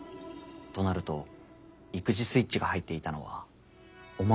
となると育児スイッチが入っていたのはお孫さんがいたから。